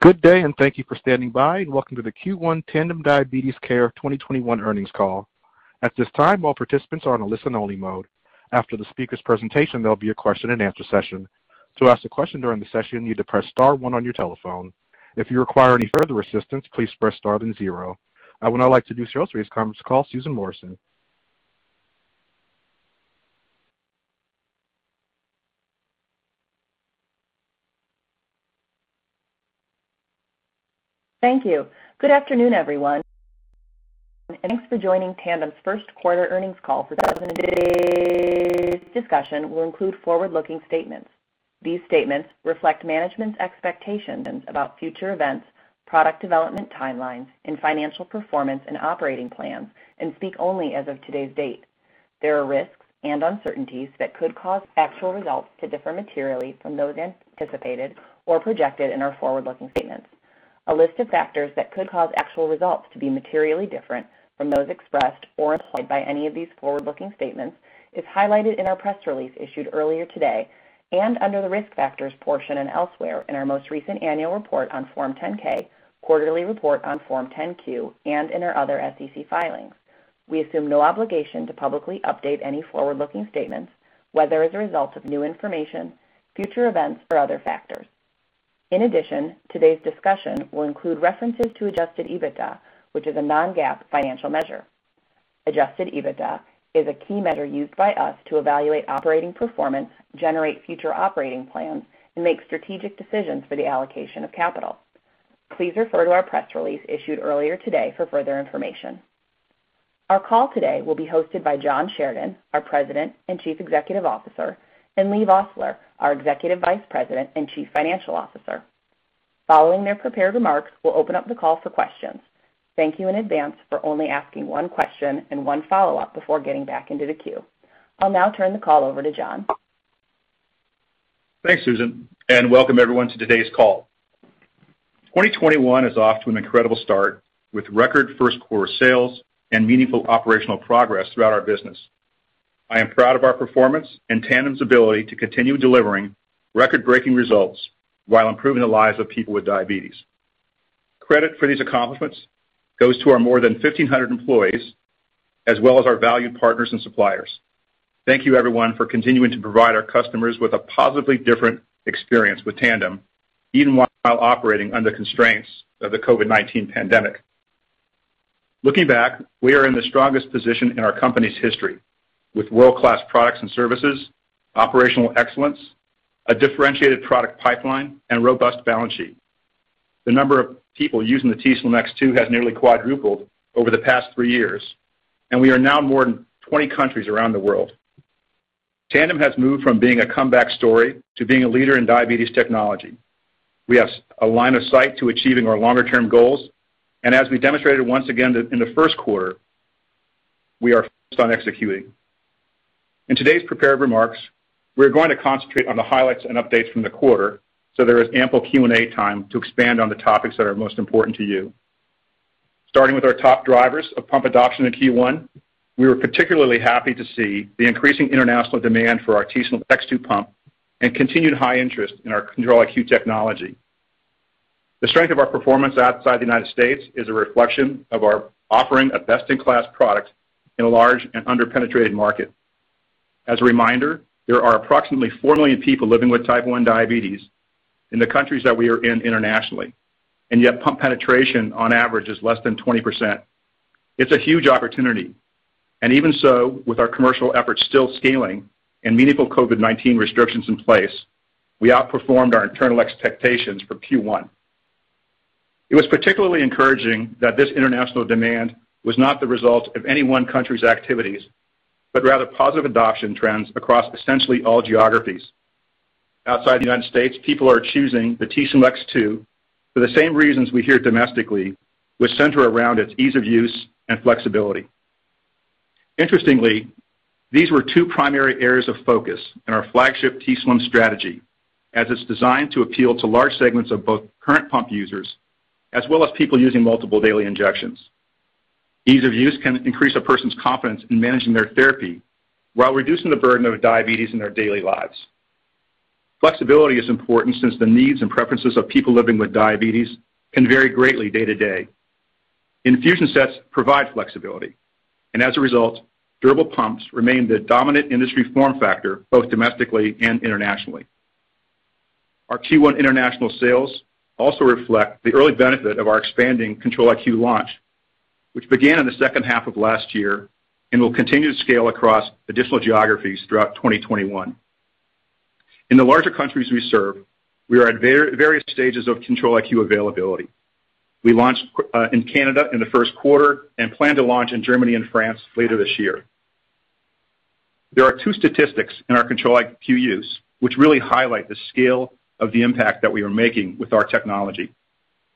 I would now like to introduce today's call, Susan Morrison. Thank you. Good afternoon, everyone, and thanks for joining Tandem's first quarter earnings call for discussion will include forward-looking statements. These statements reflect management's expectations about future events, product development timelines, and financial performance and operating plans, and speak only as of today's date. There are risks and uncertainties that could cause actual results to differ materially from those anticipated or projected in our forward-looking statements. A list of factors that could cause actual results to be materially different from those expressed or implied by any of these forward-looking statements is highlighted in our press release issued earlier today, and under the Risk Factors portion and elsewhere in our most recent annual report on Form 10-K, quarterly report on Form 10-Q, and in our other SEC filings. We assume no obligation to publicly update any forward-looking statements, whether as a result of new information, future events, or other factors. Today's discussion will include references to adjusted EBITDA, which is a non-GAAP financial measure. Adjusted EBITDA is a key measure used by us to evaluate operating performance, generate future operating plans, and make strategic decisions for the allocation of capital. Please refer to our press release issued earlier today for further information. Our call today will be hosted by John Sheridan, our President and Chief Executive Officer, and Leigh Vosseler, our Executive Vice President and Chief Financial Officer. Following their prepared remarks, we'll open up the call for questions. Thank you in advance for only asking one question and one follow-up before getting back into the queue. I'll now turn the call over to John. Thanks, Susan, and welcome everyone to today's call. 2021 is off to an incredible start with record first quarter sales and meaningful operational progress throughout our business. I am proud of our performance and Tandem's ability to continue delivering record-breaking results while improving the lives of people with diabetes. Credit for these accomplishments goes to our more than 1,500 employees, as well as our valued partners and suppliers. Thank you, everyone, for continuing to provide our customers with a positively different experience with Tandem, even while operating under constraints of the COVID-19 pandemic. Looking back, we are in the strongest position in our company's history, with world-class products and services, operational excellence, a differentiated product pipeline, and robust balance sheet. The number of people using the t:slim X2 has nearly quadrupled over the past three years, and we are now in more than 20 countries around the world. Tandem has moved from being a comeback story to being a leader in diabetes technology. We have a line of sight to achieving our longer-term goals. As we demonstrated once again in the first quarter, we are focused on executing. In today's prepared remarks, we're going to concentrate on the highlights and updates from the quarter. There is ample Q&A time to expand on the topics that are most important to you. Starting with our top drivers of pump adoption in Q1, we were particularly happy to see the increasing international demand for our t:slim X2 pump and continued high interest in our Control-IQ technology. The strength of our performance outside the U.S. is a reflection of our offering of best-in-class product in a large and under-penetrated market. As a reminder, there are approximately four million people living with type 1 diabetes in the countries that we are in internationally, yet pump penetration on average is less than 20%. It's a huge opportunity. Even so, with our commercial efforts still scaling and meaningful COVID-19 restrictions in place, we outperformed our internal expectations for Q1. It was particularly encouraging that this international demand was not the result of any one country's activities, but rather positive adoption trends across essentially all geographies. Outside the U.S., people are choosing the t:slim X2 for the same reasons we hear domestically, which center around its ease of use and flexibility. Interestingly, these were two primary areas of focus in our flagship t:slim strategy, as it's designed to appeal to large segments of both current pump users as well as people using multiple daily injections. Ease of use can increase a person's confidence in managing their therapy while reducing the burden of diabetes in their daily lives. Flexibility is important since the needs and preferences of people living with diabetes can vary greatly day to day. Infusion sets provide flexibility, and as a result, durable pumps remain the dominant industry form factor both domestically and internationally. Our Q1 international sales also reflect the early benefit of our expanding Control-IQ launch, which began in the second half of last year and will continue to scale across additional geographies throughout 2021. In the larger countries we serve, we are at various stages of Control-IQ availability. We launched in Canada in the first quarter and plan to launch in Germany and France later this year. There are two statistics in our Control-IQ use which really highlight the scale of the impact that we are making with our technology.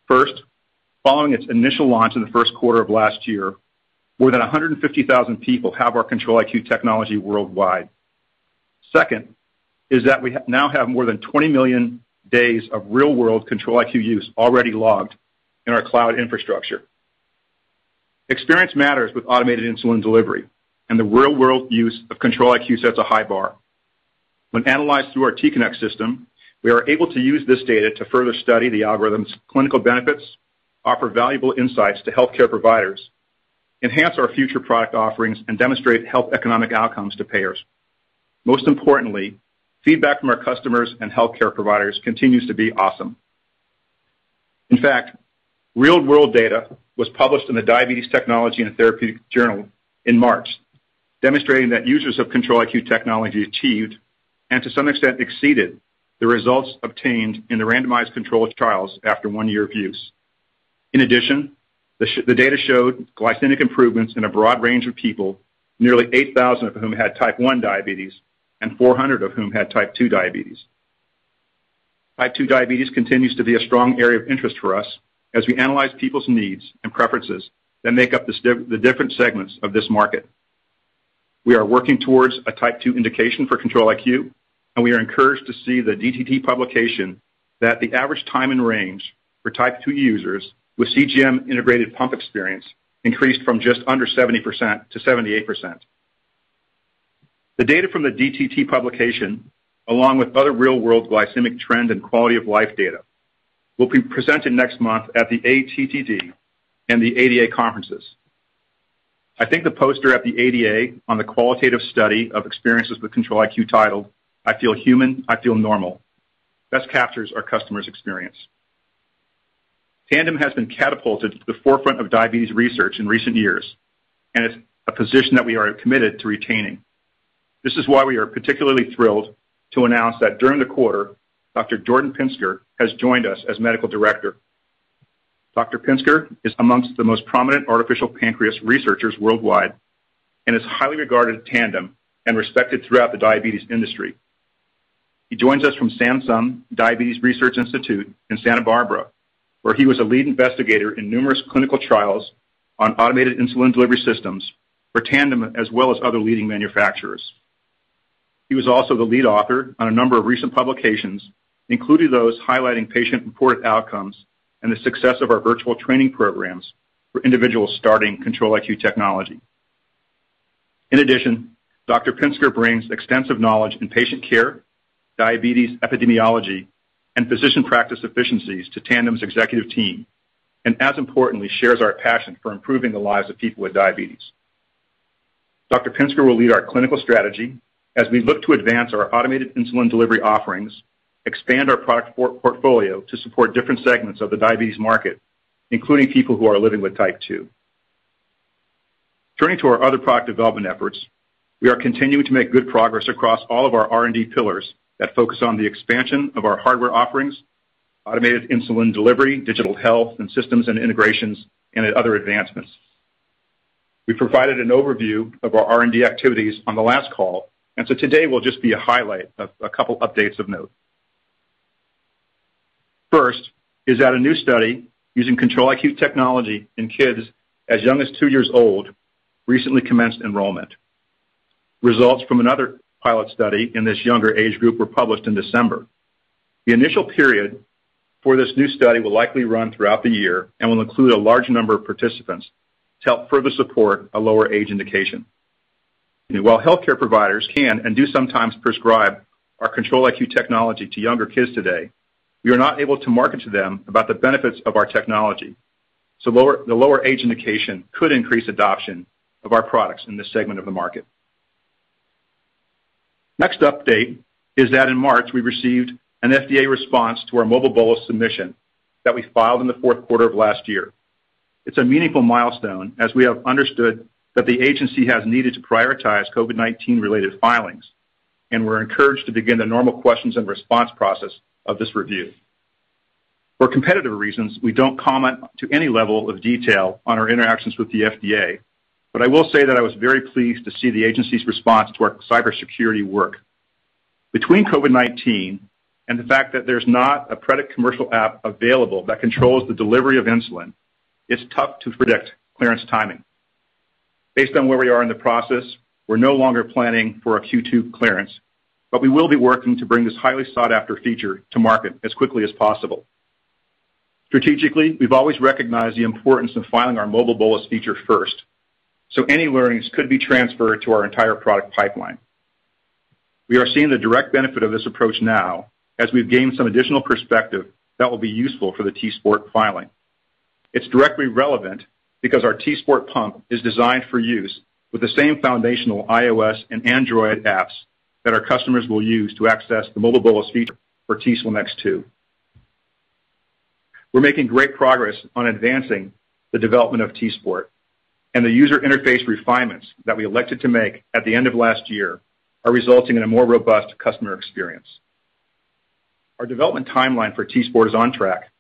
First, following its initial launch in the first quarter of last year, more than 150,000 people have our Control-IQ technology worldwide. Second is that we now have more than 20 million days of real-world Control-IQ use already logged in our cloud infrastructure. Experience matters with automated insulin delivery and the real-world use of Control-IQ sets a high bar. When analyzed through our t:connect system, we are able to use this data to further study the algorithm's clinical benefits, offer valuable insights to healthcare providers, enhance our future product offerings, and demonstrate health economic outcomes to payers. Most importantly, feedback from our customers and healthcare providers continues to be awesome. In fact, real world data was published in the Diabetes Technology & Therapeutics Journal in March, demonstrating that users of Control-IQ technology achieved, and to some extent exceeded, the results obtained in the randomized controlled trials after one year of use. In addition, the data showed glycemic improvements in a broad range of people, nearly 8,000 of whom had type 1 diabetes and 400 of whom had type 2 diabetes. Type 2 diabetes continues to be a strong area of interest for us as we analyze people's needs and preferences that make up the different segments of this market. We are working towards a type 2 indication for Control-IQ, and we are encouraged to see the DTT publication that the average time in range for type 2 users with CGM integrated pump experience increased from just under 70% to 78%. The data from the DTT publication, along with other real-world glycemic trend and quality-of-life data, will be presented next month at the ATTD and the ADA conferences. I think the poster at the ADA on the qualitative study of experiences with Control-IQ titled "I feel human, I feel normal," best captures our customers' experience. Tandem has been catapulted to the forefront of diabetes research in recent years and is a position that we are committed to retaining. This is why we are particularly thrilled to announce that during the quarter, Dr. Jordan Pinsker has joined us as medical director. Dr. Pinsker is amongst the most prominent artificial pancreas researchers worldwide and is highly regarded at Tandem and respected throughout the diabetes industry. He joins us from Sansum Diabetes Research Institute in Santa Barbara, where he was a lead investigator in numerous clinical trials on automated insulin delivery systems for Tandem, as well as other leading manufacturers. He was also the lead author on a number of recent publications, including those highlighting patient-reported outcomes and the success of our virtual training programs for individuals starting Control-IQ technology. In addition, Dr. Pinsker brings extensive knowledge in patient care, diabetes epidemiology, and physician practice efficiencies to Tandem's executive team, and as importantly, shares our passion for improving the lives of people with diabetes. Dr. Pinsker will lead our clinical strategy as we look to advance our automated insulin delivery offerings, expand our product portfolio to support different segments of the diabetes market, including people who are living with type 2. Turning to our other product development efforts, we are continuing to make good progress across all of our R&D pillars that focus on the expansion of our hardware offerings, automated insulin delivery, digital health and systems and integrations, and other advancements. We provided an overview of our R&D activities on the last call. Today will just be a highlight of a couple updates of note. First is that a new study using Control-IQ technology in kids as young as two years old recently commenced enrollment. Results from another pilot study in this younger age group were published in December. The initial period for this new study will likely run throughout the year and will include a large number of participants to help further support a lower age indication. While healthcare providers can and do sometimes prescribe our Control-IQ technology to younger kids today, we are not able to market to them about the benefits of our technology. The lower age indication could increase adoption of our products in this segment of the market. Next update is that in March, we received an FDA response to our Mobile Bolus submission that we filed in the fourth quarter of last year. It's a meaningful milestone, as we have understood that the agency has needed to prioritize COVID-19 related filings, and we're encouraged to begin the normal questions and response process of this review. For competitive reasons, we don't comment to any level of detail on our interactions with the FDA, but I will say that I was very pleased to see the agency's response to our cybersecurity work. Between COVID-19 and the fact that there's not a product commercial app available that controls the delivery of insulin, it's tough to predict clearance timing. Based on where we are in the process, we're no longer planning for a Q2 clearance, but we will be working to bring this highly sought-after feature to market as quickly as possible. Strategically, we've always recognized the importance of filing our Mobile Bolus feature first, so any learnings could be transferred to our entire product pipeline. We are seeing the direct benefit of this approach now as we've gained some additional perspective that will be useful for the t:sport filing. It's directly relevant because our t:sport pump is designed for use with the same foundational iOS and Android apps that our customers will use to access the Mobile Bolus feature for t:slim X2. We're making great progress on advancing the development of t:sport, and the user interface refinements that we elected to make at the end of last year are resulting in a more robust customer experience. Our development timeline for t:sport is on track.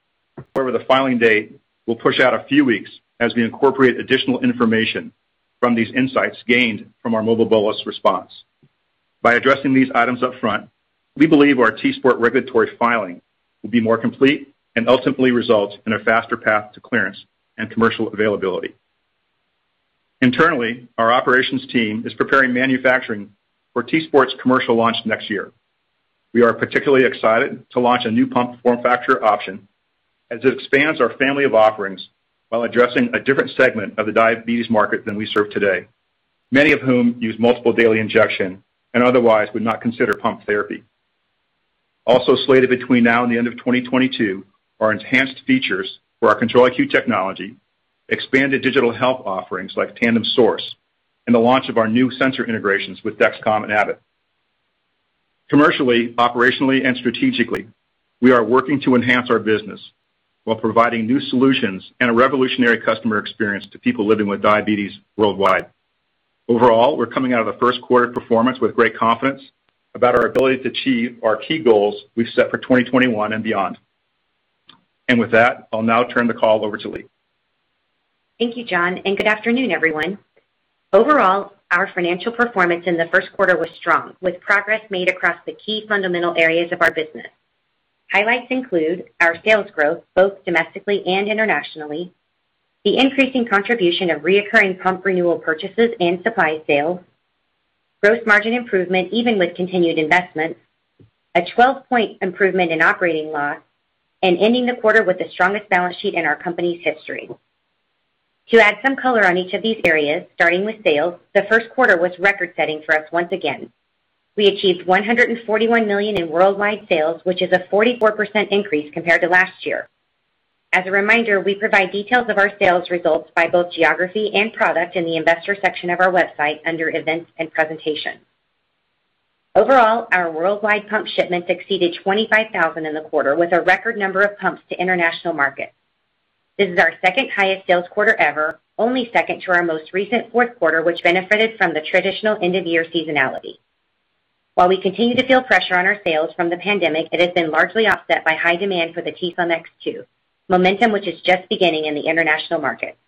However, the filing date will push out a few weeks as we incorporate additional information from these insights gained from our Mobile Bolus response. By addressing these items up front, we believe our t:sport regulatory filing will be more complete and ultimately result in a faster path to clearance and commercial availability. Internally, our operations team is preparing manufacturing for t:sport's commercial launch next year. We are particularly excited to launch a new pump manufacturer option as it expands our family of offerings while addressing a different segment of the diabetes market than we serve today, many of whom use multiple daily injection and otherwise would not consider pump therapy. Also slated between now and the end of 2022 are enhanced features for our Control-IQ technology, expanded digital health offerings like Tandem Source, and the launch of our new sensor integrations with Dexcom and Abbott. Commercially, operationally, and strategically, we are working to enhance our business while providing new solutions and a revolutionary customer experience to people living with diabetes worldwide. Overall, we're coming out of the first quarter performance with great confidence about our ability to achieve our key goals we've set for 2021 and beyond. With that, I'll now turn the call over to Leigh. Thank you, John. Good afternoon, everyone. Overall, our financial performance in the first quarter was strong, with progress made across the key fundamental areas of our business. Highlights include our sales growth, both domestically and internationally, the increasing contribution of recurring pump renewal purchases and supply sales, gross margin improvement even with continued investments, a 12-point improvement in operating loss, and ending the quarter with the strongest balance sheet in our company's history. To add some color on each of these areas, starting with sales, the first quarter was record-setting for us once again. We achieved $141 million in worldwide sales, which is a 44% increase compared to last year. As a reminder, we provide details of our sales results by both geography and product in the investor section of our website under Events and Presentation. Overall, our worldwide pump shipments exceeded 25,000 in the quarter, with a record number of pumps to international markets. This is our second highest sales quarter ever, only second to our most recent fourth quarter, which benefited from the traditional end-of-year seasonality. While we continue to feel pressure on our sales from the pandemic, it has been largely offset by high demand for the t:slim X2, momentum which is just beginning in the international market.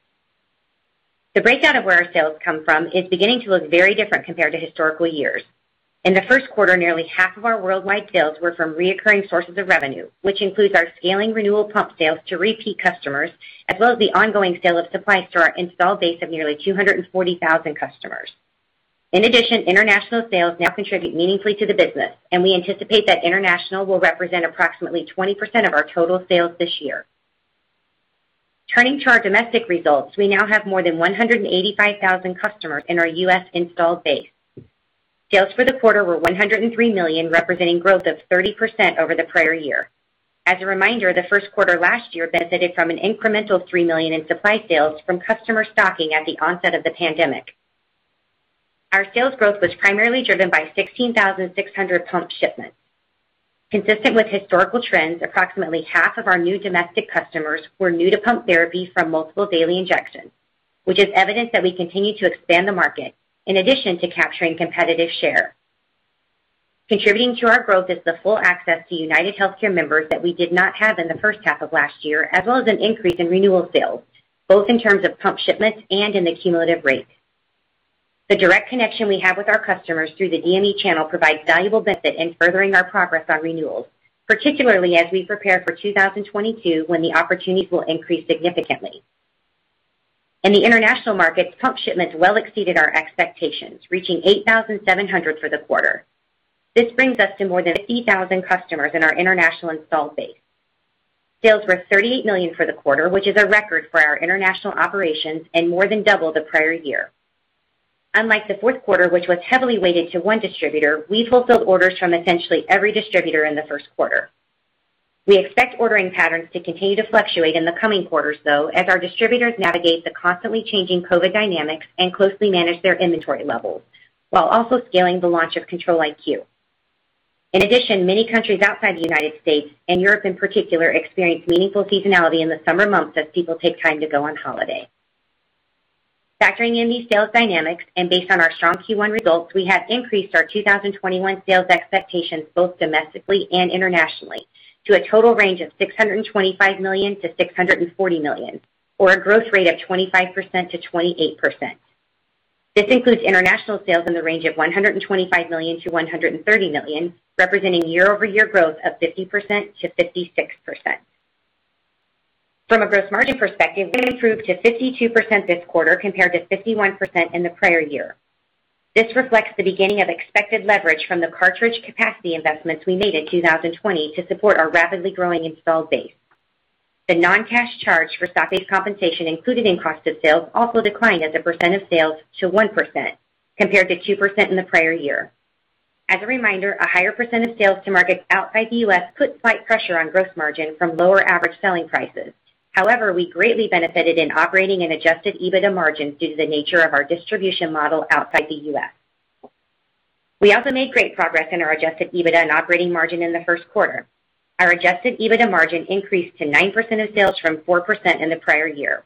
The breakout of where our sales come from is beginning to look very different compared to historical years. In the first quarter, nearly half of our worldwide sales were from reoccurring sources of revenue, which includes our scaling renewal pump sales to repeat customers, as well as the ongoing sale of supplies to our installed base of nearly 240,000 customers. In addition, international sales now contribute meaningfully to the business, and we anticipate that international will represent approximately 20% of our total sales this year. Turning to our domestic results, we now have more than 185,000 customers in our U.S. installed base. Sales for the quarter were $103 million, representing growth of 30% over the prior year. As a reminder, the first quarter last year benefited from an incremental $3 million in supply sales from customer stocking at the onset of the pandemic. Our sales growth was primarily driven by 16,600 pump shipments. Consistent with historical trends, approximately half of our new domestic customers were new to pump therapy from multiple daily injections, which is evidence that we continue to expand the market in addition to capturing competitive share. Contributing to our growth is the full access to UnitedHealthcare members that we did not have in the first half of last year, as well as an increase in renewal sales, both in terms of pump shipments and in the cumulative rate. The direct connection we have with our customers through the DME channel provides valuable benefit in furthering our progress on renewals, particularly as we prepare for 2022, when the opportunities will increase significantly. In the international markets, pump shipments well exceeded our expectations, reaching 8,700 for the quarter. This brings us to more than 50,000 customers in our international installed base. Sales were $38 million for the quarter, which is a record for our international operations and more than double the prior year. Unlike the fourth quarter, which was heavily weighted to one distributor, we fulfilled orders from essentially every distributor in the first quarter. We expect ordering patterns to continue to fluctuate in the coming quarters, though, as our distributors navigate the constantly changing COVID dynamics and closely manage their inventory levels while also scaling the launch of Control-IQ. In addition, many countries outside the U.S. and Europe in particular experience meaningful seasonality in the summer months as people take time to go on holiday. Factoring in these sales dynamics and based on our strong Q1 results, we have increased our 2021 sales expectations both domestically and internationally to a total range of $625 million-$640 million, or a growth rate of 25%-28%. This includes international sales in the range of $125 million-$130 million, representing year-over-year growth of 50%-56%. From a gross margin perspective, we improved to 52% this quarter compared to 51% in the prior year. This reflects the beginning of expected leverage from the cartridge capacity investments we made in 2020 to support our rapidly growing installed base. The non-cash charge for stock-based compensation included in cost of sales also declined as a % of sales to 1%, compared to 2% in the prior year. As a reminder, a higher % of sales to markets outside the U.S. put slight pressure on gross margin from lower average selling prices. We greatly benefited in operating and adjusted EBITDA margins due to the nature of our distribution model outside the U.S. We also made great progress in our adjusted EBITDA and operating margin in the first quarter. Our adjusted EBITDA margin increased to 9% of sales from 4% in the prior year.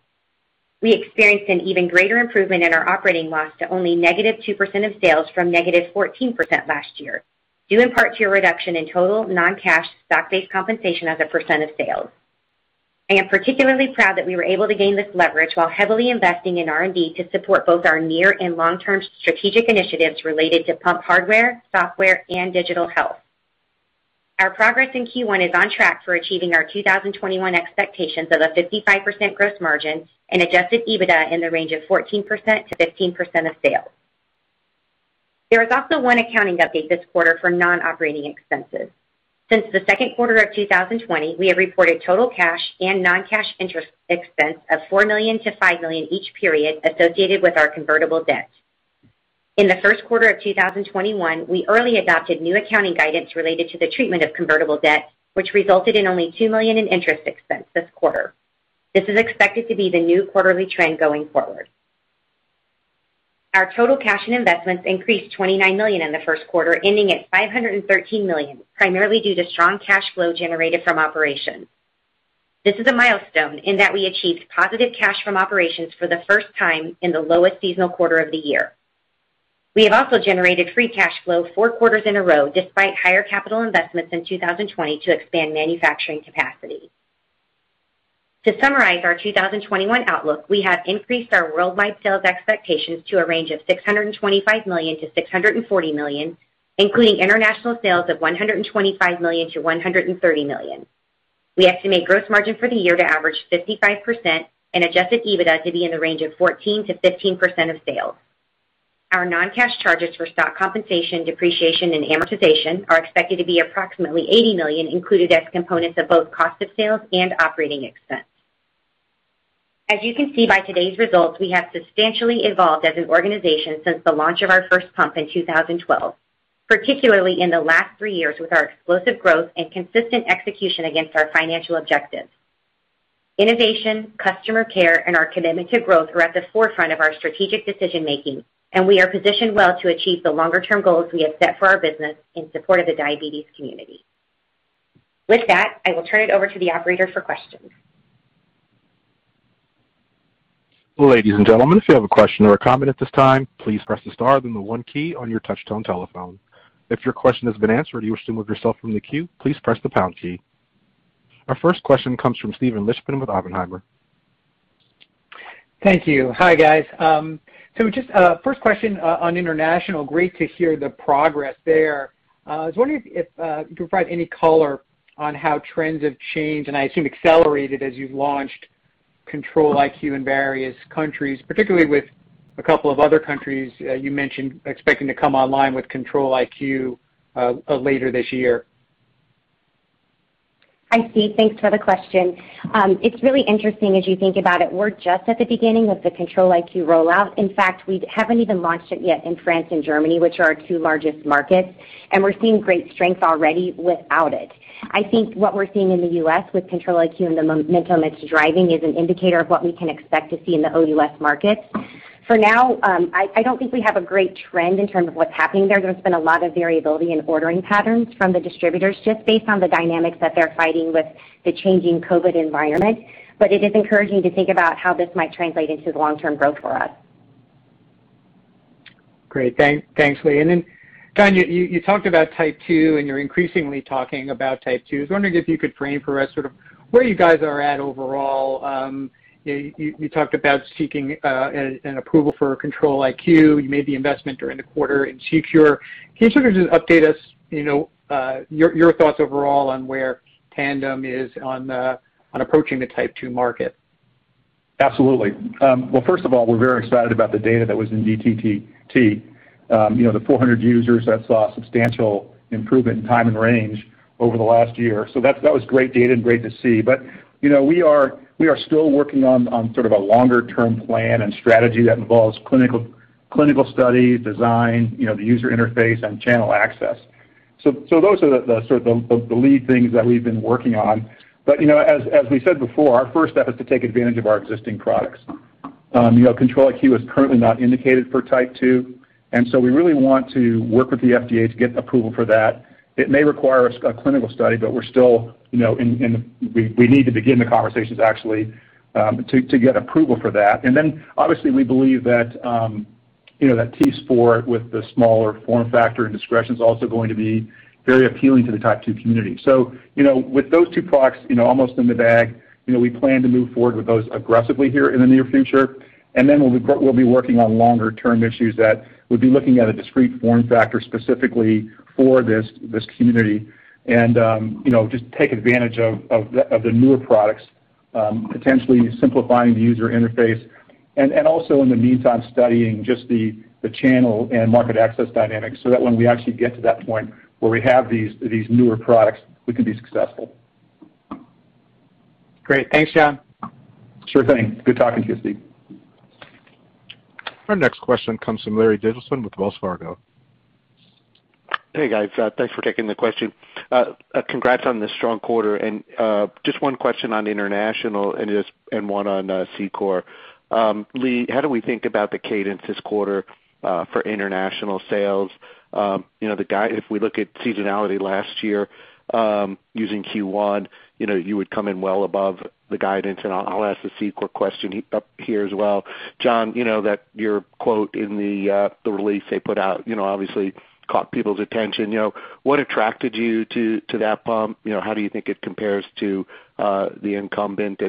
We experienced an even greater improvement in our operating loss to only -2% of sales from -14% last year, due in part to a reduction in total non-cash stock-based compensation as a percent of sales. I am particularly proud that we were able to gain this leverage while heavily investing in R&D to support both our near and long-term strategic initiatives related to pump hardware, software, and digital health. Our progress in Q1 is on track for achieving our 2021 expectations of a 55% gross margin and adjusted EBITDA in the range of 14%-15% of sales. There is also one accounting update this quarter for non-operating expenses. Since the second quarter of 2020, we have reported total cash and non-cash interest expense of $4 million-$5 million each period associated with our convertible debt. In the first quarter of 2021, we early adopted new accounting guidance related to the treatment of convertible debt, which resulted in only $2 million in interest expense this quarter. This is expected to be the new quarterly trend going forward. Our total cash and investments increased $29 million in the first quarter, ending at $513 million, primarily due to strong cash flow generated from operations. This is a milestone in that we achieved positive cash from operations for the first time in the lowest seasonal quarter of the year. We have also generated free cash flow four quarters in a row, despite higher capital investments in 2020 to expand manufacturing capacity. To summarize our 2021 outlook, we have increased our worldwide sales expectations to a range of $625 million-$640 million, including international sales of $125 million-$130 million. We estimate gross margin for the year to average 55% and adjusted EBITDA to be in the range of 14%-15% of sales. Our non-cash charges for stock compensation, depreciation, and amortization are expected to be approximately $80 million, included as components of both cost of sales and operating expense. As you can see by today's results, we have substantially evolved as an organization since the launch of our first pump in 2012, particularly in the last three years with our explosive growth and consistent execution against our financial objectives. Innovation, customer care, and our commitment to growth are at the forefront of our strategic decision-making, and we are positioned well to achieve the longer-term goals we have set for our business in support of the diabetes community. With that, I will turn it over to the operator for questions. Our first question comes from Steven Lichtman with Oppenheimer. Thank you. Hi, guys. Just a first question on international. Great to hear the progress there. I was wondering if you could provide any color on how trends have changed and I assume accelerated as you've launched Control-IQ in various countries, particularly with a couple of other countries you mentioned expecting to come online with Control-IQ later this year. Hi, Steven. Thanks for the question. It's really interesting as you think about it. We're just at the beginning of the Control-IQ rollout. In fact, we haven't even launched it yet in France and Germany, which are our two largest markets, and we're seeing great strength already without it. I think what we're seeing in the U.S. with Control-IQ and the momentum it's driving is an indicator of what we can expect to see in the OUS markets. For now, I don't think we have a great trend in terms of what's happening there. There's been a lot of variability in ordering patterns from the distributors just based on the dynamics that they're fighting with the changing COVID-19 environment. It is encouraging to think about how this might translate into long-term growth for us. Great. Thanks, Leigh. John, you talked about type 2, and you're increasingly talking about type 2. I was wondering if you could frame for us sort of where you guys are at overall. You talked about seeking an approval for Control-IQ. You made the investment during the quarter in CeQur. Can you sort of just update us, your thoughts overall on where Tandem is on approaching the type 2 market? Absolutely. Well, first of all, we're very excited about the data that was in DTT. The 400 users that saw substantial improvement in time and range over the last year. That was great data and great to see. We are still working on sort of a longer-term plan and strategy that involves clinical study, design, the user interface, and channel access. Those are sort of the lead things that we've been working on. As we said before, our first step is to take advantage of our existing products. Control-IQ is currently not indicated for type 2, we really want to work with the FDA to get approval for that. It may require a clinical study, we need to begin the conversations actually to get approval for that. Obviously we believe that t:slim X2 with the smaller form factor and discretion is also going to be very appealing to the type 2 community. With those two products almost in the bag, we plan to move forward with those aggressively here in the near future. We'll be working on longer-term issues that would be looking at a discrete form factor specifically for this community and just take advantage of the newer products, potentially simplifying the user interface and also in the meantime, studying just the channel and market access dynamics so that when we actually get to that point where we have these newer products, we can be successful. Great. Thanks, John. Sure thing. Good talking to you, Steve. Our next question comes from Larry Biegelsen with Wells Fargo. Hey, guys. Thanks for taking the question. Congrats on the strong quarter. Just one question on international and one on CeQur. Leigh, how do we think about the cadence this quarter for international sales? If we look at seasonality last year, using Q1, you would come in well above the guidance. I'll ask the CeQur question up here as well. John, your quote in the release they put out obviously caught people's attention. What attracted you to that pump? How do you think it compares to the incumbent?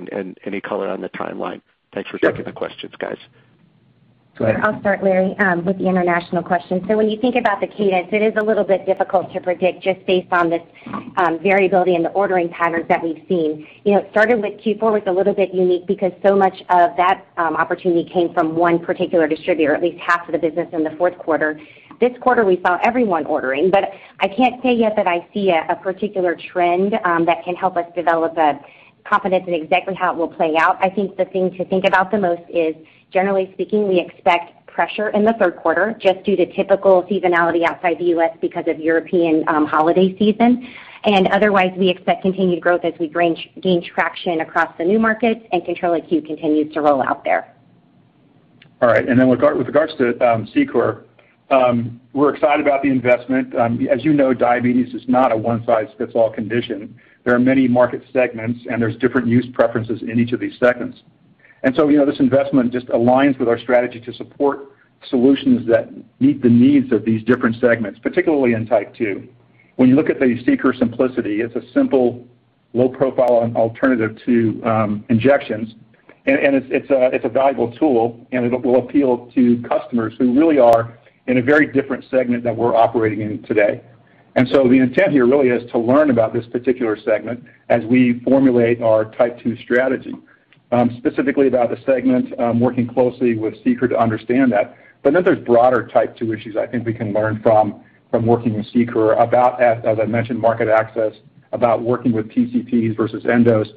Any color on the timeline? Thanks for taking the questions, guys. I'll start, Larry, with the international question. When you think about the cadence, it is a little bit difficult to predict just based on this variability in the ordering patterns that we've seen. It started with Q4 was a little bit unique because so much of that opportunity came from one particular distributor, at least half of the business in the fourth quarter. This quarter, we saw everyone ordering. I can't say yet that I see a particular trend that can help us develop a confidence in exactly how it will play out. I think the thing to think about the most is, generally speaking, we expect pressure in the third quarter just due to typical seasonality outside the U.S. because of European holiday season. Otherwise, we expect continued growth as we gain traction across the new markets and Control-IQ continues to roll out there. All right. With regards to CeQur, we're excited about the investment. As you know, diabetes is not a one-size-fits-all condition. There are many market segments, and there's different use preferences in each of these segments. This investment just aligns with our strategy to support solutions that meet the needs of these different segments, particularly in type 2. When you look at the CeQur Simplicity, it's a simple low profile alternative to injections. It's a valuable tool, and it will appeal to customers who really are in a very different segment that we're operating in today. The intent here really is to learn about this particular segment as we formulate our type 2 strategy, specifically about the segment, working closely with CeQur to understand that. There's broader type 2 issues I think we can learn from working with CeQur about, as I mentioned, market access, about working with PCPs versus endos.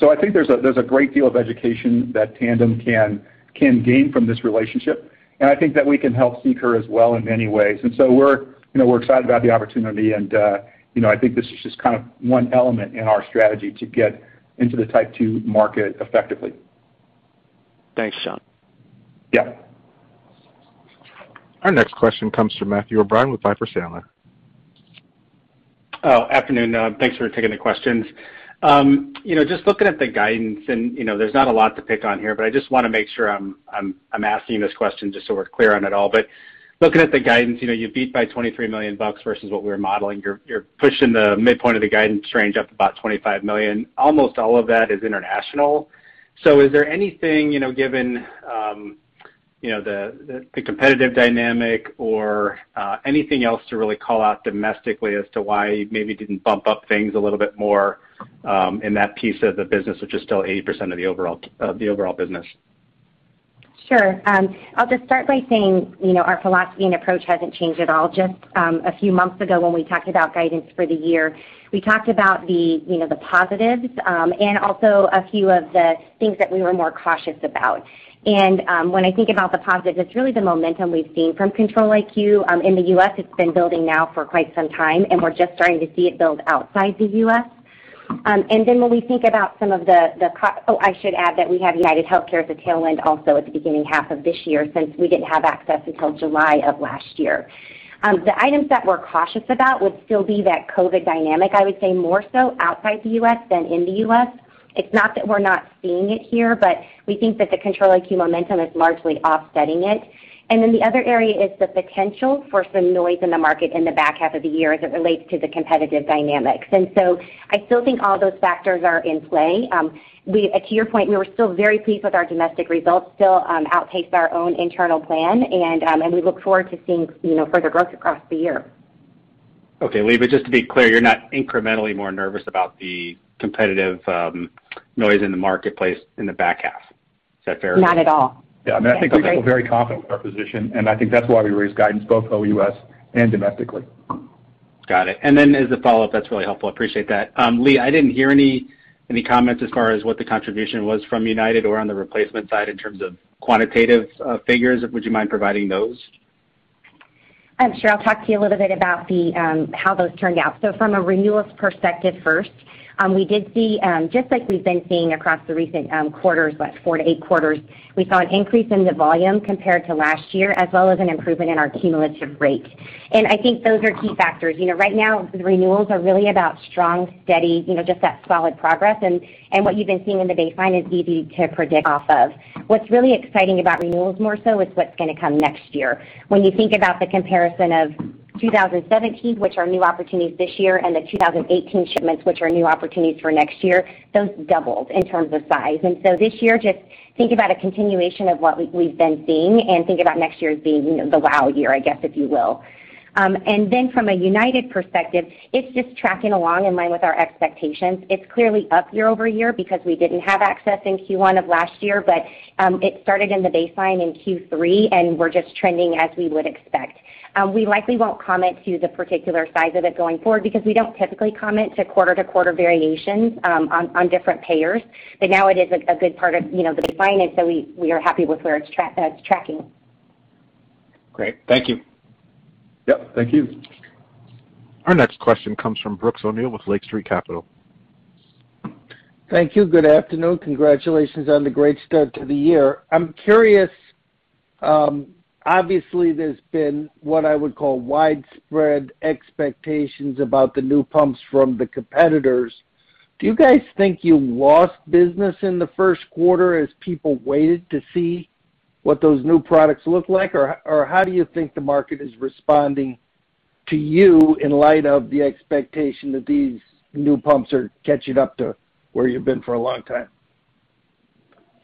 I think there's a great deal of education that Tandem can gain from this relationship, and I think that we can help CeQur as well in many ways. We're excited about the opportunity, and I think this is just kind of one element in our strategy to get into the type 2 market effectively. Thanks, John. Yeah. Our next question comes from Matthew O'Brien with Piper Sandler. Afternoon. Thanks for taking the questions. Looking at the guidance, and there's not a lot to pick on here, but I just want to make sure I'm asking this question just so we're clear on it all. Looking at the guidance, you beat by $23 million versus what we were modeling. You're pushing the midpoint of the guidance range up about $25 million. Almost all of that is international. Is there anything, given the competitive dynamic or anything else to really call out domestically as to why you maybe didn't bump up things a little bit more in that piece of the business, which is still 80% of the overall business? Sure. I'll just start by saying our philosophy and approach hasn't changed at all. Just a few months ago, when we talked about guidance for the year, we talked about the positives, and also a few of the things that we were more cautious about. When I think about the positives, it's really the momentum we've seen from Control-IQ. In the U.S., it's been building now for quite some time, and we're just starting to see it build outside the U.S. When we think about some of the, I should add that we have UnitedHealthcare as a tailwind also at the beginning half of this year, since we didn't have access until July of last year. The items that we're cautious about would still be that COVID-19 dynamic, I would say more so outside the U.S. than in the U.S. It's not that we're not seeing it here, we think that the Control-IQ momentum is largely offsetting it. The other area is the potential for some noise in the market in the back half of the year as it relates to the competitive dynamics. I still think all those factors are in play. To your point, we were still very pleased with our domestic results, still outpaced our own internal plan, and we look forward to seeing further growth across the year. Okay. Leigh, just to be clear, you're not incrementally more nervous about the competitive noise in the marketplace in the back half. Is that fair? Not at all. Yeah. I think we feel very confident with our position, I think that's why we raised guidance both OUS and domestically. Got it. As a follow-up, that's really helpful. Appreciate that. Leigh, I didn't hear any comments as far as what the contribution was from United or on the replacement side in terms of quantitative figures. Would you mind providing those? Sure. I'll talk to you a little bit about how those turned out. From a renewals perspective first, we did see, just like we've been seeing across the recent quarters, about four to eight quarters, we saw an increase in the volume compared to last year, as well as an improvement in our cumulative rate. I think those are key factors. Right now, the renewals are really about strong, steady, just that solid progress. What you've been seeing in the baseline is easy to predict off of. What's really exciting about renewals more so is what's going to come next year. When you think about the comparison of 2017, which are new opportunities this year, and the 2018 shipments, which are new opportunities for next year, those doubled in terms of size. This year, just think about a continuation of what we've been seeing and think about next year as being the wow year, I guess, if you will. From a United perspective, it's just tracking along in line with our expectations. It's clearly up year-over-year because we didn't have access in Q1 of last year. It started in the baseline in Q3, and we're just trending as we would expect. We likely won't comment to the particular size of it going forward because we don't typically comment to quarter-to-quarter variations on different payers. Now it is a good part of the baseline. We are happy with where it's tracking. Great. Thank you. Yeah. Thank you. Our next question comes from Brooks O'Neil with Lake Street Capital. Thank you. Good afternoon. Congratulations on the great start to the year. I'm curious. Obviously, there's been what I would call widespread expectations about the new pumps from the competitors. Do you guys think you lost business in the first quarter as people waited to see what those new products look like? Or how do you think the market is responding to you, in light of the expectation that these new pumps are catching up to where you've been for a long time?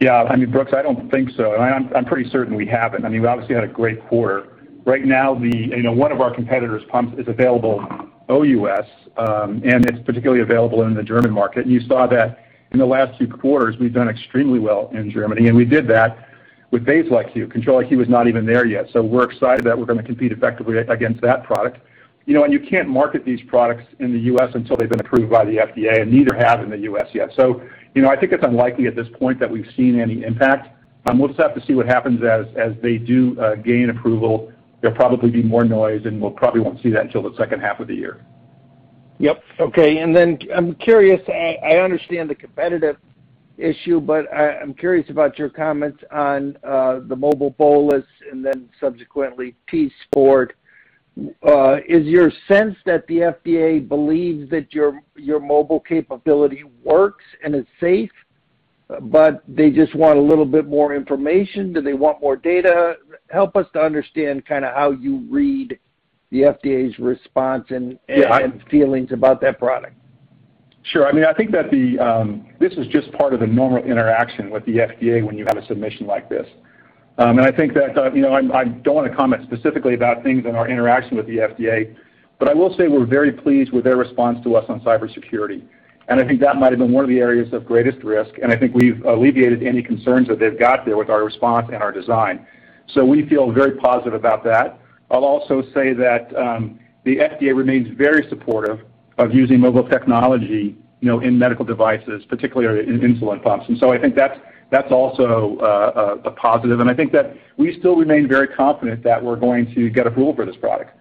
Yeah, Brooks O'Neil, I don't think so. I'm pretty certain we haven't. We obviously had a great quarter. Right now, one of our competitor's pumps is available OUS, and it's particularly available in the German market. You saw that in the last few quarters, we've done extremely well in Germany, and we did that with Basal-IQ. Control-IQ is not even there yet. We're excited that we're going to compete effectively against that product. You can't market these products in the U.S. until they've been approved by the FDA, and neither have in the U.S. yet. I think it's unlikely at this point that we've seen any impact. We'll just have to see what happens as they do gain approval. There'll probably be more noise, and we probably won't see that until the second half of the year. Yep. Okay. I'm curious, I understand the competitive issue, but I'm curious about your comments on the Mobile Bolus and then subsequently t:sport. Is your sense that the FDA believes that your mobile capability works and is safe, but they just want a little bit more information? Do they want more data? Help us to understand how you read the FDA's response and feelings about that product. Sure. I think that this is just part of the normal interaction with the FDA when you have a submission like this. I think that I don't want to comment specifically about things in our interaction with the FDA, but I will say we're very pleased with their response to us on cybersecurity. I think that might've been one of the areas of greatest risk, and I think we've alleviated any concerns that they've got there with our response and our design. We feel very positive about that. I'll also say that the FDA remains very supportive of using mobile technology in medical devices, particularly in insulin pumps. I think that's also a positive, and I think that we still remain very confident that we're going to get approval for this product.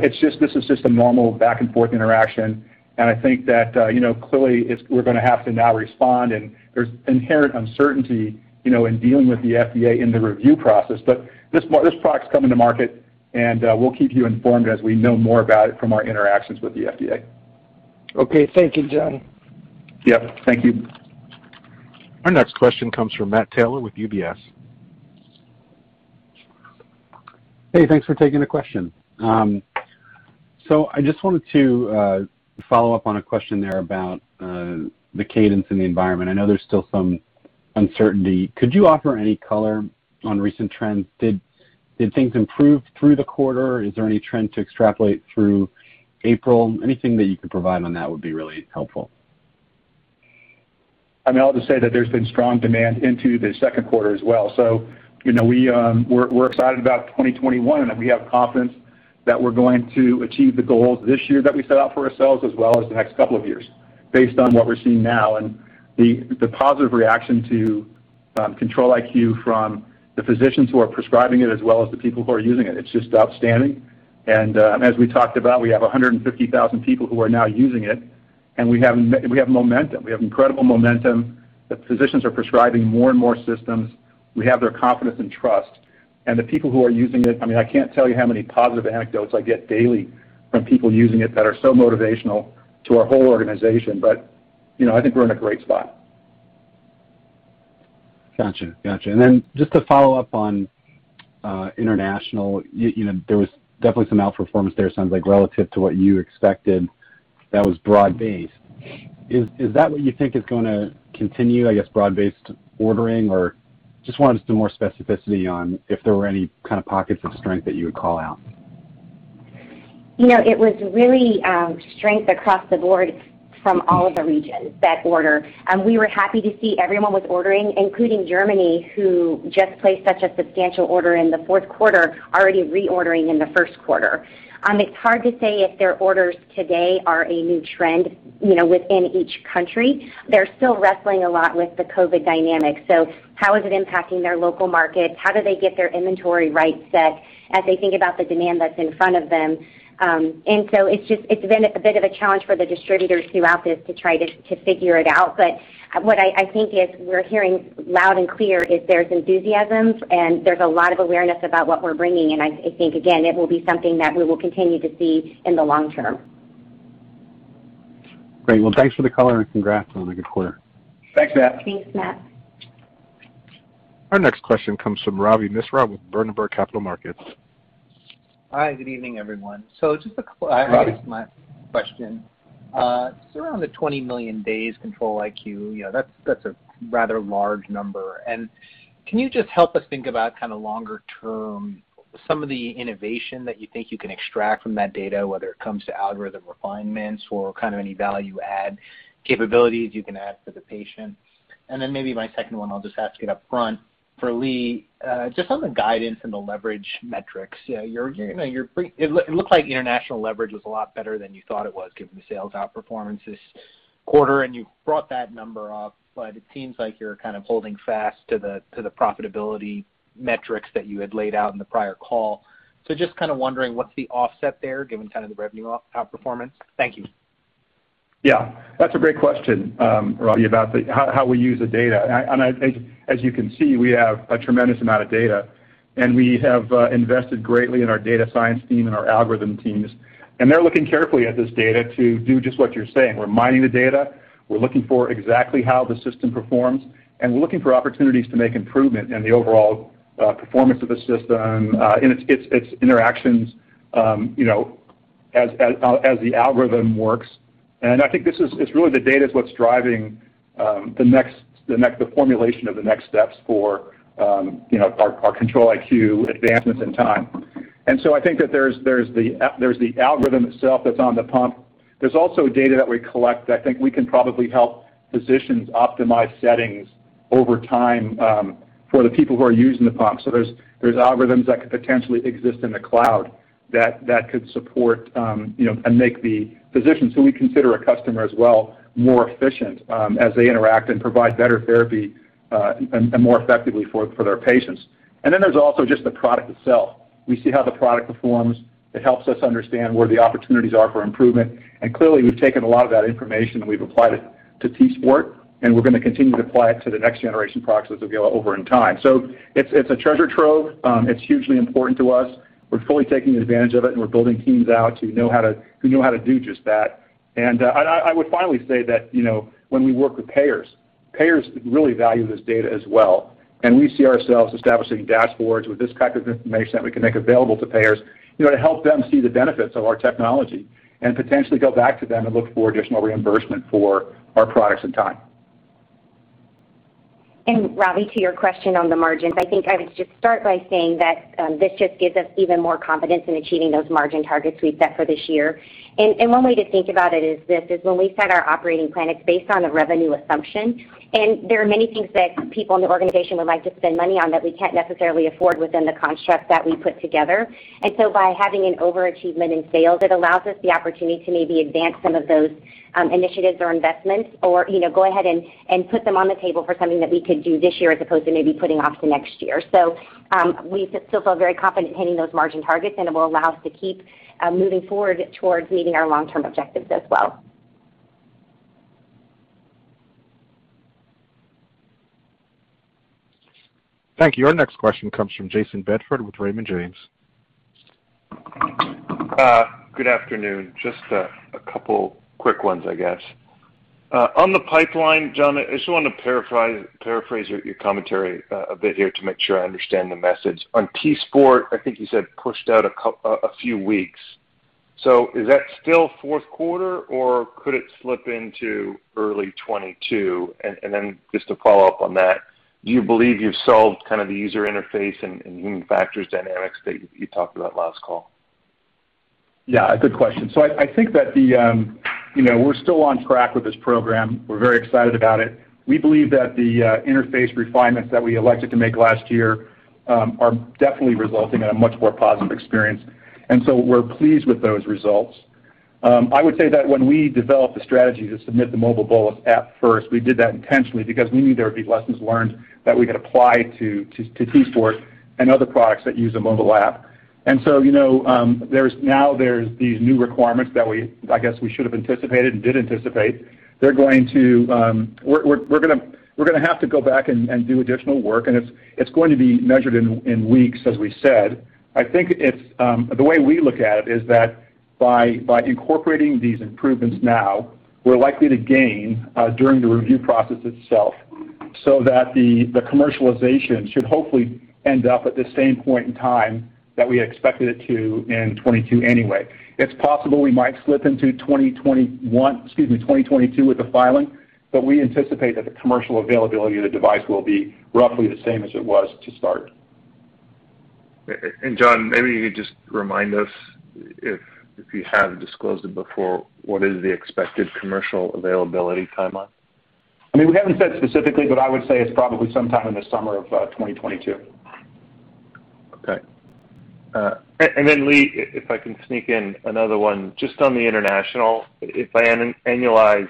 This is just a normal back-and-forth interaction, and I think that clearly, we're going to have to now respond, and there's inherent uncertainty in dealing with the FDA in the review process. This product's coming to market, and we'll keep you informed as we know more about it from our interactions with the FDA. Okay. Thank you, John. Yeah. Thank you. Our next question comes from Matt Taylor with UBS. Hey, thanks for taking the question. I just wanted to follow up on a question there about the cadence in the environment. I know there's still some uncertainty. Could you offer any color on recent trends? Did things improve through the quarter? Is there any trend to extrapolate through April? Anything that you could provide on that would be really helpful. I'll just say that there's been strong demand into the second quarter as well. We're excited about 2021, and we have confidence that we're going to achieve the goals this year that we set out for ourselves as well as the next couple of years based on what we're seeing now. The positive reaction to Control-IQ from the physicians who are prescribing it as well as the people who are using it. It's just outstanding. As we talked about, we have 150,000 people who are now using it, and we have momentum. We have incredible momentum that physicians are prescribing more and more systems. We have their confidence and trust. The people who are using it, I can't tell you how many positive anecdotes I get daily from people using it that are so motivational to our whole organization, but I think we're in a great spot. Got you. Just to follow up on international, there was definitely some outperformance there, sounds like relative to what you expected, that was broad-based. Is that what you think is going to continue, I guess, broad-based ordering? Just wanted some more specificity on if there were any kind of pockets of strength that you would call out. It was really strength across the board from all of the regions that order. We were happy to see everyone was ordering, including Germany, who just placed such a substantial order in the fourth quarter, already reordering in the first quarter. It's hard to say if their orders today are a new trend within each country. They're still wrestling a lot with the COVID dynamics. How is it impacting their local market? How do they get their inventory right set as they think about the demand that's in front of them? It's been a bit of a challenge for the distributors throughout this to try to figure it out. What I think is we're hearing loud and clear is there's enthusiasm and there's a lot of awareness about what we're bringing, and I think, again, it will be something that we will continue to see in the long term. Great. Well, thanks for the color and congrats on a good quarter. Thanks, Matt Taylor. Thanks, Matt Taylor. Our next question comes from Ravi Misra with Berenberg Capital Markets. Hi, good evening, everyone. Just a couple items to my question. Around the 20 million days Control-IQ, that's a rather large number. Can you just help us think about kind of longer term, some of the innovation that you think you can extract from that data, whether it comes to algorithm refinements or kind of any value add capabilities you can add for the patient? Maybe my second one, I'll just ask it up front. For Leigh, just on the guidance and the leverage metrics. It looked like international leverage was a lot better than you thought it was given the sales outperformance this quarter, and you brought that number up, but it seems like you're kind of holding fast to the profitability metrics that you had laid out in the prior call. Just kind of wondering what's the offset there given kind of the revenue outperformance. Thank you. Yeah, that's a great question, Ravi, about how we use the data. As you can see, we have a tremendous amount of data, and we have invested greatly in our data science team and our algorithm teams. They're looking carefully at this data to do just what you're saying. We're mining the data. We're looking for exactly how the system performs, and we're looking for opportunities to make improvement in the overall performance of the system, in its interactions as the algorithm works. I think it's really the data is what's driving the formulation of the next steps for our Control-IQ advancements in time. I think that there's the algorithm itself that's on the pump. There's also data that we collect that I think we can probably help physicians optimize settings over time for the people who are using the pump. There's algorithms that could potentially exist in the cloud that could support and make the physicians, who we consider a customer as well, more efficient as they interact and provide better therapy and more effectively for their patients. There's also just the product itself. We see how the product performs. It helps us understand where the opportunities are for improvement. Clearly, we've taken a lot of that information and we've applied it to t:sport, and we're going to continue to apply it to the next generation products as we go over in time. It's a treasure trove. It's hugely important to us. We're fully taking advantage of it, and we're building teams out who know how to do just that. I would finally say that when we work with payers really value this data as well. We see ourselves establishing dashboards with this type of information that we can make available to payers to help them see the benefits of our technology and potentially go back to them and look for additional reimbursement for our products in time. Ravi, to your question on the margins, I think I would just start by saying that this just gives us even more confidence in achieving those margin targets we've set for this year. One way to think about it is this, is when we set our operating plan, it's based on a revenue assumption. There are many things that people in the organization would like to spend money on that we can't necessarily afford within the construct that we put together. By having an overachievement in sales, it allows us the opportunity to maybe advance some of those initiatives or investments or go ahead and put them on the table for something that we could do this year as opposed to maybe putting off to next year. We still feel very confident hitting those margin targets, and it will allow us to keep moving forward towards meeting our long-term objectives as well. Thank you. Our next question comes from Jayson Bedford with Raymond James. Good afternoon. Just a couple quick ones, I guess. On the pipeline, John, I just want to paraphrase your commentary a bit here to make sure I understand the message. On t:sport, I think you said pushed out a few weeks. Is that still fourth quarter, or could it slip into early 2022? Just to follow up on that, do you believe you've solved kind of the user interface and human factors dynamics that you talked about last call? Yeah. Good question. I think that we're still on track with this program. We're very excited about it. We believe that the interface refinements that we elected to make last year are definitely resulting in a much more positive experience, and so we're pleased with those results. I would say that when we developed the strategy to submit the Mobile Bolus app first, we did that intentionally because we knew there would be lessons learned that we could apply to t:sport and other products that use a mobile app. Now there's these new requirements that I guess we should have anticipated and did anticipate. We're going to have to go back and do additional work, and it's going to be measured in weeks, as we said. I think the way we look at it is that by incorporating these improvements now, we're likely to gain during the review process itself so that the commercialization should hopefully end up at the same point in time that we expected it to in 2022 anyway. It's possible we might slip into 2021, excuse me, 2022 with the filing, but we anticipate that the commercial availability of the device will be roughly the same as it was to start. John, maybe you could just remind us if you hadn't disclosed it before, what is the expected commercial availability timeline? We haven't said specifically, but I would say it's probably sometime in the summer of 2022. Okay. Leigh, if I can sneak in another one. Just on the international. If I annualize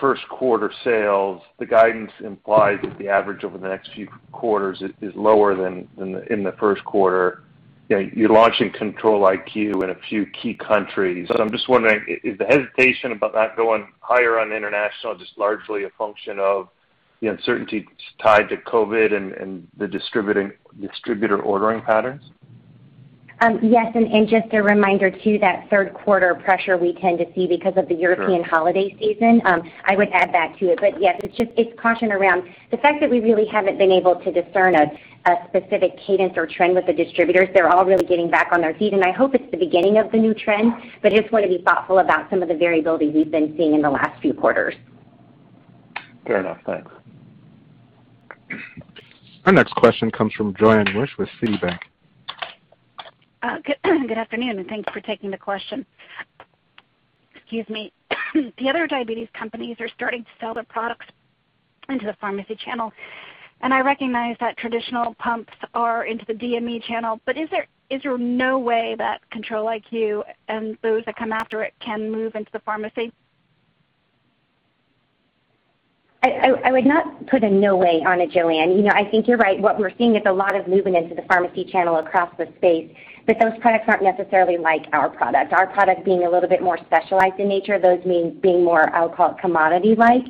first quarter sales, the guidance implies that the average over the next few quarters is lower than in the first quarter. You're launching Control-IQ in a few key countries. I'm just wondering, is the hesitation about not going higher on international just largely a function of the uncertainty tied to COVID and the distributor ordering patterns? Yes, just a reminder, too, that third quarter pressure we tend to see because of the European holiday season. Sure. I would add that to it. Yes, it's caution around the fact that we really haven't been able to discern a specific cadence or trend with the distributors. They're all really getting back on their feet, and I hope it's the beginning of the new trend. Just want to be thoughtful about some of the variability we've been seeing in the last few quarters. Fair enough. Thanks. Our next question comes from Joanne Wuensch with Citi. Good afternoon, thanks for taking the question. Excuse me. The other diabetes companies are starting to sell their products into the pharmacy channel, and I recognize that traditional pumps are into the DME channel, but is there no way that Control-IQ and those that come after it can move into the pharmacy? I would not put a no way on it, Joanne. I think you're right. What we're seeing is a lot of movement into the pharmacy channel across the space. Those products aren't necessarily like our product. Our product being a little bit more specialized in nature, those being more, I'll call it commodity-like.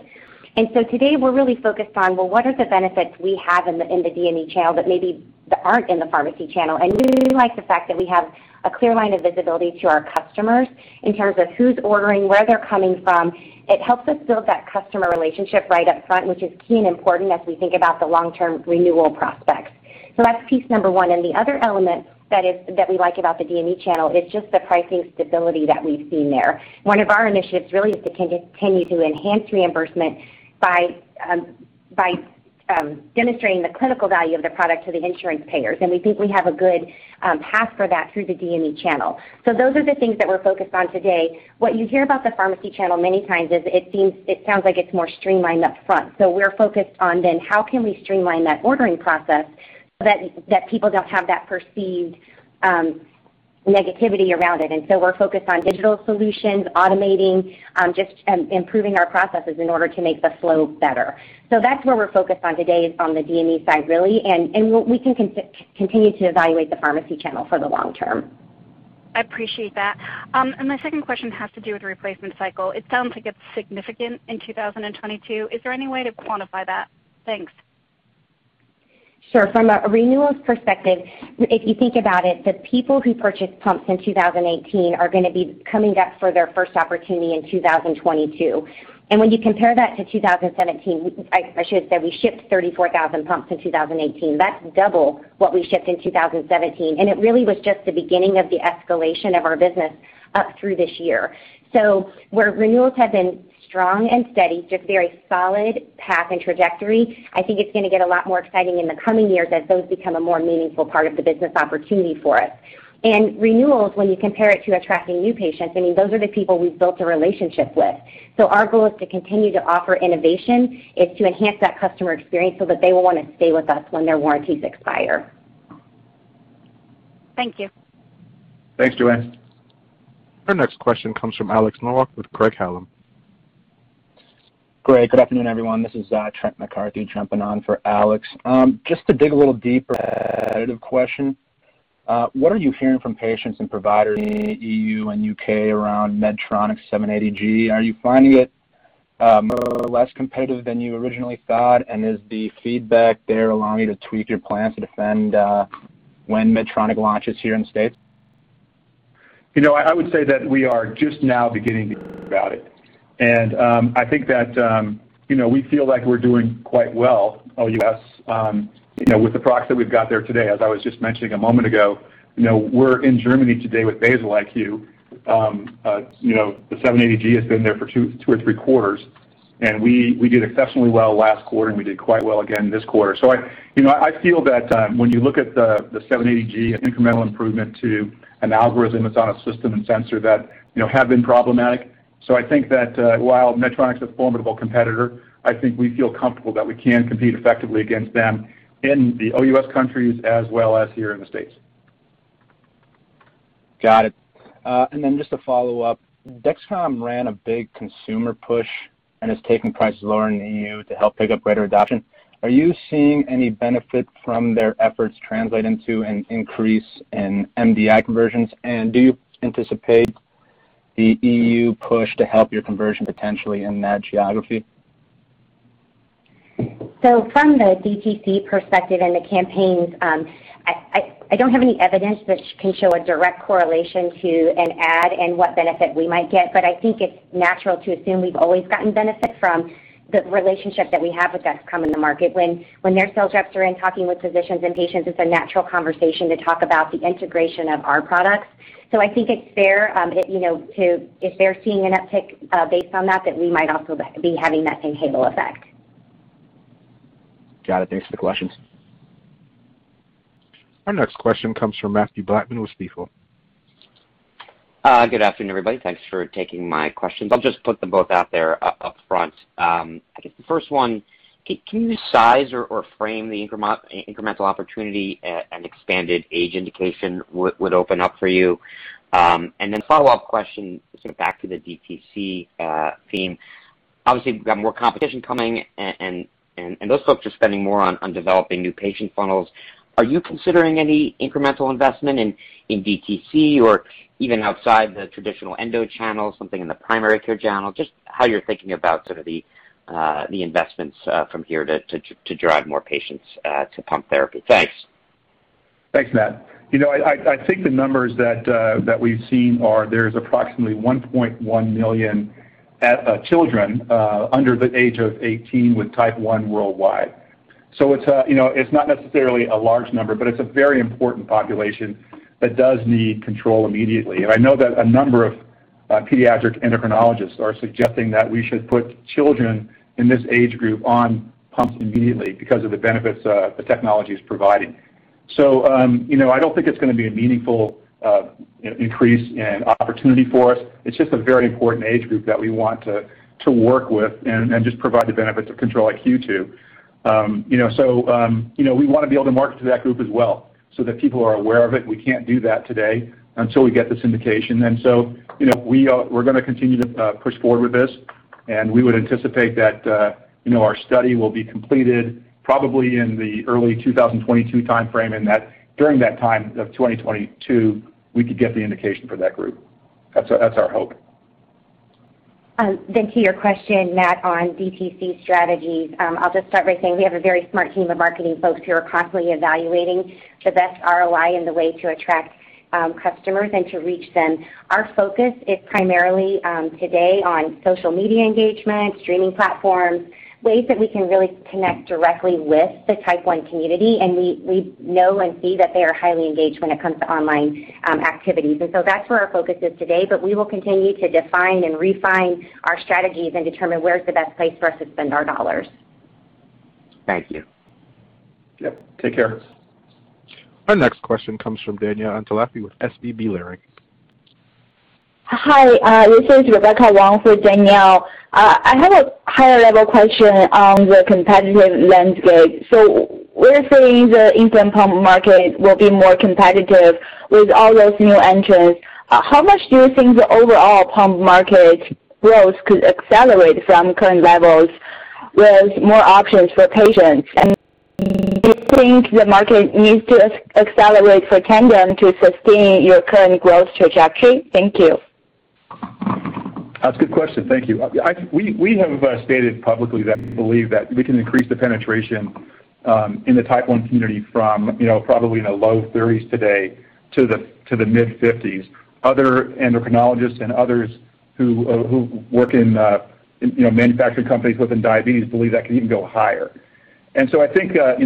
Today we're really focused on, well, what are the benefits we have in the DME channel that maybe aren't in the pharmacy channel? We really like the fact that we have a clear line of visibility to our customers in terms of who's ordering, where they're coming from. It helps us build that customer relationship right up front, which is key and important as we think about the long-term renewal prospects. That's piece number one. The other element that we like about the DME channel is just the pricing stability that we've seen there. One of our initiatives really is to continue to enhance reimbursement by demonstrating the clinical value of the product to the insurance payers. We think we have a good path for that through the DME channel. Those are the things that we're focused on today. What you hear about the pharmacy channel many times is it sounds like it's more streamlined up front. We're focused on then how can we streamline that ordering process so that people don't have that perceived negativity around it. We're focused on digital solutions, automating, just improving our processes in order to make the flow better. That's where we're focused on today is on the DME side, really, and we can continue to evaluate the pharmacy channel for the long term. I appreciate that. My second question has to do with the replacement cycle. It sounds like it's significant in 2022. Is there any way to quantify that? Thanks. Sure. From a renewals perspective, if you think about it, the people who purchased pumps in 2018 are going to be coming up for their first opportunity in 2022. When you compare that to 2017, I should say we shipped 34,000 pumps in 2018. That's double what we shipped in 2017, it really was just the beginning of the escalation of our business up through this year. Where renewals have been strong and steady, just very solid path and trajectory, I think it's going to get a lot more exciting in the coming years as those become a more meaningful part of the business opportunity for us. Renewals, when you compare it to attracting new patients, those are the people we've built a relationship with. Our goal is to continue to offer innovation, is to enhance that customer experience so that they will want to stay with us when their warranties expire. Thank you. Thanks, Joanne. Our next question comes from Alex Nowak with Craig-Hallum. Greg, good afternoon, everyone. This is Trent McCarthy jumping on for Alex. Just to dig a little deeper, a competitive question. What are you hearing from patients and providers in the EU and U.K. around Medtronic 780G? Are you finding it more or less competitive than you originally thought? Is the feedback there allowing you to tweak your plans to defend when Medtronic launches here in the States? I would say that we are just now beginning to hear about it. I think that we feel like we're doing quite well, OUS, with the products that we've got there today. As I was just mentioning a moment ago, we're in Germany today with Basal-IQ. The 780G has been there for two or three quarters, we did exceptionally well last quarter, we did quite well again this quarter. I feel that when you look at the 780G incremental improvement to an algorithm that's on a system and sensor that have been problematic. I think that while Medtronic's a formidable competitor, I think we feel comfortable that we can compete effectively against them in the OUS countries as well as here in the States. Got it. Just a follow-up. Dexcom ran a big consumer push and is taking prices lower in the EU to help pick up greater adoption. Are you seeing any benefit from their efforts translate into an increase in MDI conversions? Do you anticipate the EU push to help your conversion potentially in that geography? From the DTC perspective and the campaigns, I don't have any evidence that can show a direct correlation to an ad and what benefit we might get. I think it's natural to assume we've always gotten benefit from the relationship that we have with Dexcom in the market. When their sales reps are in talking with physicians and patients, it's a natural conversation to talk about the integration of our products. I think it's fair if they're seeing an uptick based on that we might also be having that same halo effect. Got it. Thanks for the questions. Our next question comes from Mathew Blackman with Stifel. Good afternoon, everybody. Thanks for taking my questions. I'll just put them both out there up front. I guess the first one, can you size or frame the incremental opportunity an expanded age indication would open up for you? A follow-up question, back to the DTC theme. Obviously, we've got more competition coming, and those folks are spending more on developing new patient funnels. Are you considering any incremental investment in DTC or even outside the traditional endo channel, something in the primary care channel? Just how you're thinking about sort of the investments from here to drive more patients to pump therapy. Thanks. Thanks, Mathew Blackman. I think the numbers that we've seen are there's approximately 1.1 million children under the age of 18 with type 1 worldwide. It's not necessarily a large number, but it's a very important population that does need control immediately. I know that a number of pediatric endocrinologists are suggesting that we should put children in this age group on pumps immediately because of the benefits the technology is providing. I don't think it's going to be a meaningful increase in opportunity for us. It's just a very important age group that we want to work with and just provide the benefits of Control-IQ to. We want to be able to market to that group as well so that people are aware of it. We can't do that today until we get this indication. We're going to continue to push forward with this, and we would anticipate that our study will be completed probably in the early 2022 timeframe, and during that time of 2022, we could get the indication for that group. That's our hope. To your question, Mathew Blackman, on DTC strategies. I'll just start by saying we have a very smart team of marketing folks who are constantly evaluating the best ROI and the way to attract customers and to reach them. Our focus is primarily today on social media engagement, streaming platforms, ways that we can really connect directly with the type 1 community, and we know and see that they are highly engaged when it comes to online activities. That's where our focus is today, but we will continue to define and refine our strategies and determine where's the best place for us to spend our dollars. Thank you. Yep. Take care. Our next question comes from Danielle Antalffy with SVB Leerink. Hi, this is Rebecca Wong for Danielle. We're seeing the insulin pump market will be more competitive with all those new entrants. How much do you think the overall pump market growth could accelerate from current levels with more options for patients? Do you think the market needs to accelerate for Tandem to sustain your current growth trajectory? Thank you. That's a good question. Thank you. We have stated publicly that we believe that we can increase the penetration in the type 1 community from probably in the low 30s today to the mid-50s. Other endocrinologists and others who work in manufacturing companies within diabetes believe that could even go higher. I think there's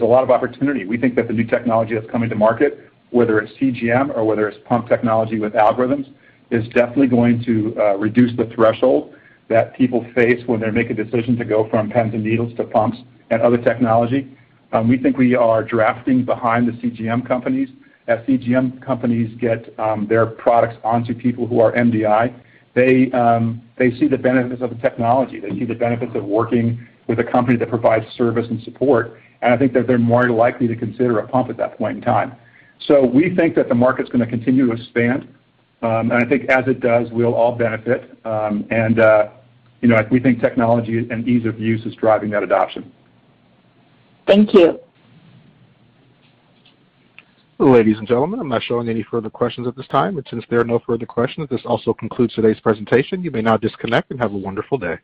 a lot of opportunity. We think that the new technology that's coming to market, whether it's CGM or whether it's pump technology with algorithms, is definitely going to reduce the threshold that people face when they make a decision to go from pens and needles to pumps and other technology. We think we are drafting behind the CGM companies. As CGM companies get their products onto people who are MDI. They see the benefits of the technology. They see the benefits of working with a company that provides service and support. I think that they're more likely to consider a pump at that point in time. We think that the market's going to continue to expand. I think as it does, we'll all benefit. We think technology and ease of use is driving that adoption. Thank you. Ladies and gentlemen, I'm not showing any further questions at this time. Since there are no further questions, this also concludes today's presentation. You may now disconnect and have a wonderful day.